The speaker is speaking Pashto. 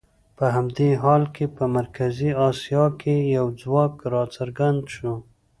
په همدې حال کې په مرکزي اسیا کې یو ځواک راڅرګند شو.